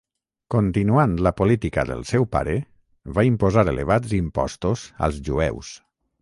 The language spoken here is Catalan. Continuant la política del seu pare va imposar elevats impostos als jueus.